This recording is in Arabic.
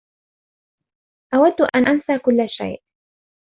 أودّ أن أنسى كلّ شيء.